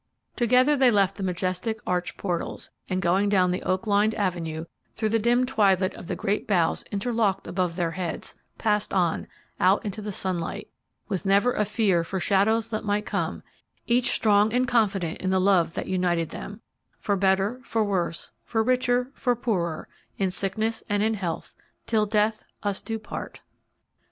Together they left the majestic arched portals, and going down the oak lined avenue, through the dim twilight of the great boughs interlocked above their heads, passed on, out into the sunlight, with never a fear for shadows that might come; each strong and confident in the love that united them "for better for worse, for richer for poorer, in sickness and in health, ... till death us do part."